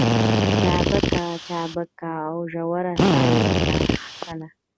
چابکه چابکه او ژوره ساه يې کښل.